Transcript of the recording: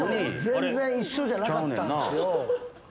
全然一緒じゃなかったんすよ。